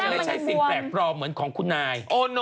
ไม่ใช่สิ่งแปลกปลอมเหมือนของคุณนาย